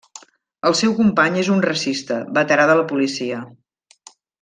El seu company és un racista, veterà de la policia.